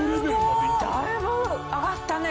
だいぶ上がったねこれ。